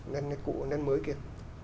nét cũ nét mới kia